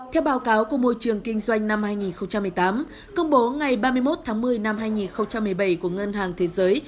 theo báo cáo của môi trường kinh doanh năm hai nghìn một mươi tám công bố ngày ba mươi một tháng một mươi năm hai nghìn một mươi bảy của ngân hàng thế giới